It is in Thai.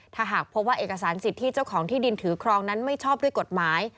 ถ้าหากพบว่าเอกสารสิทธิ์ที่เจ้าของที่ดินถือครองนั้นไม่ชอบด้วยกฎหมาย